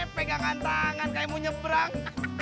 pegangan tangan kayak mau nyebrang